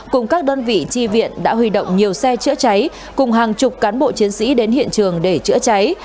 cùng các đơn vị tri viện đã huy động nhiều xe chữa cháy cùng hàng chục cán bộ chiến sĩ đến hiện trường để chữa cháy